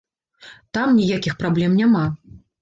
Там ніякіх праблем няма.